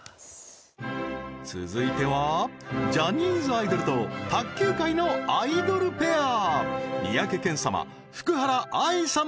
続いてはジャニーズアイドルと卓球界のアイドルペア三宅健様